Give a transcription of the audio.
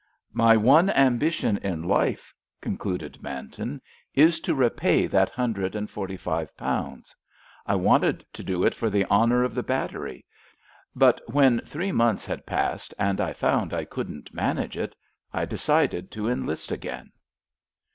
"My one ambition in life," concluded Manton, "is to repay that hundred and forty five pounds. I wanted to do it for the honour of the battery. But when three months had passed and I found I couldn't manage it, I decided to enlist again."